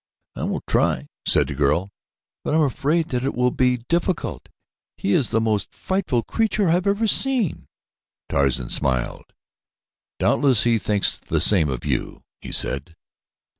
"I will try," said the girl, "but I am afraid that it will be difficult. He is the most frightful creature I ever have seen." Tarzan smiled. "Doubtless he thinks the same of you," he said.